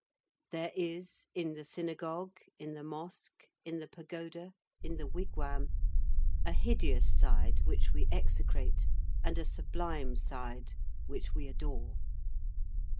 There is, in the synagogue, in the mosque, in the pagoda, in the wigwam, a hideous side which we execrate, and a sublime side, which we adore.